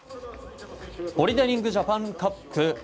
ボルダリングジャパンカップ。